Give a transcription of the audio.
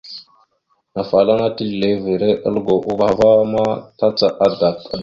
Afalaŋana tislevere aləgo, uvah a ma tacaɗ adak, adəma, ura, ara mododos.